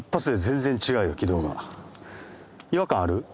違和感ある？